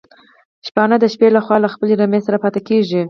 شپانه د شپې لخوا له خپلي رمې سره پاتي کيږي